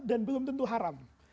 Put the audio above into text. dan belum tentu haram